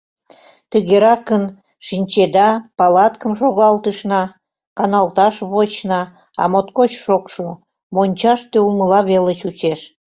Тыгеракын, шинчеда, палаткым шогалтышна, каналташ вочна, а моткоч шокшо — мончаште улмыла веле чучеш.